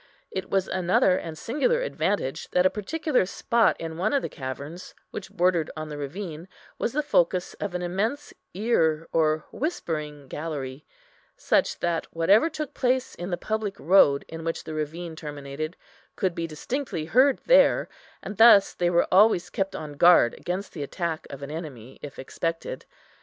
It was another and singular advantage that a particular spot in one of the caverns, which bordered on the ravine, was the focus of an immense ear or whispering gallery, such, that whatever took place in the public road in which the ravine terminated, could be distinctly heard there, and thus they were always kept on guard against the attack of an enemy, if expected.